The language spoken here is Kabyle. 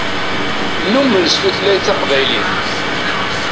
Numen s tutlayt taqbaylit.